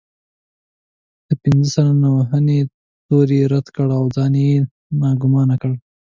د پنځه سلنه وهنې تور يې رد کړ او ځان يې ناګومانه کړ.